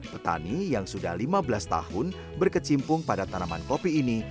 petani yang sudah lima belas tahun berkecimpung pada tanaman kopi ini